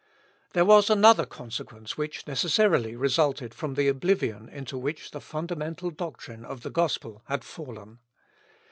There was another consequence which necessarily resulted from the oblivion into which the fundamental doctrine of the gospel had fallen.